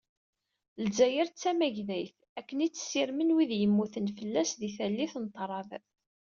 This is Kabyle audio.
Lezzayer tamagdayt akken i tt-ssirmen wid yemmuten fell-as di tallit n ṭṭrad.